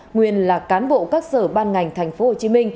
nguyên là cán bộ các sở ban ngành tp hcm